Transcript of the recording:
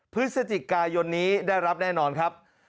พฤศจิกายนนี้ได้รับแน่นอนครับ